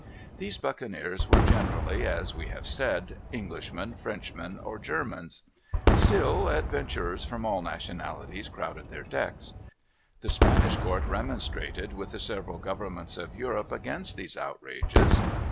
These buccaneers were generally, as we have said, Englishmen, Frenchmen, or Germans. Still, adventurers from all nationalities crowded their decks. The Spanish Court remonstrated with the several Governments of Europe against these outrages.